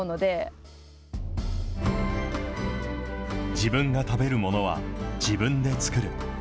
自分が食べるものは自分で作る。